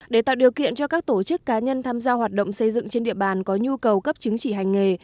để tạo điều kiện cho các tổ chức cá nhân tham gia hoạt động xây dựng trên địa bàn có nhu cầu cấp chứng chỉ hành nghề